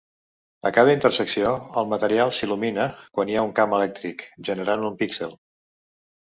A cada intersecció, el material s'il·lumina quan hi ha camp elèctric, generant un píxel.